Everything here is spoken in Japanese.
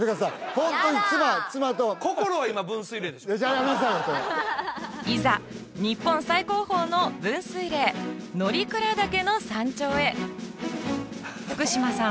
ホントに妻といざ日本最高峰の分水嶺乗鞍岳の山頂へ福島さん